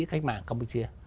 khách mạng campuchia